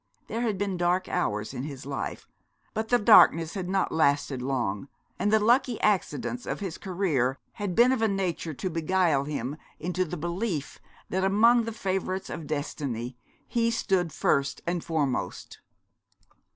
There had been dark hours in his life, but the darkness had not lasted long; and the lucky accidents of his career had been of a nature to beguile him into the belief that among the favourites of Destiny he stood first and foremost.